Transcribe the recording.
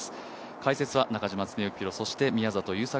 解説は中嶋常幸プロ、そして宮里優作